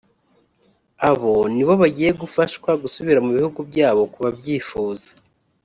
Abo nibo bagiye gufashwa gusubira mu bihugu byabo ku babyifuza